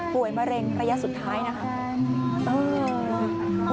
มะเร็งระยะสุดท้ายนะครับ